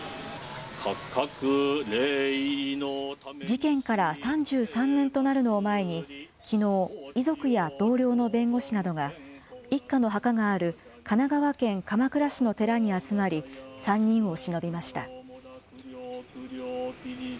事件から３３年となるのを前に、きのう、遺族や同僚の弁護士などが、一家の墓がある神奈川県鎌倉市の寺に集まり、３人をしのびました。